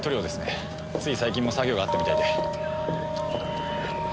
つい最近も作業があったみたいで。